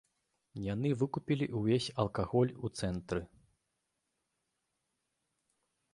Яны выкупілі ўвесь алкаголь у цэнтры.